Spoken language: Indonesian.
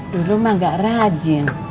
dulu mah enggak rajin